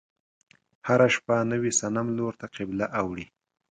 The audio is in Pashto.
هره شپه نوي صنم لور ته قبله اوړي.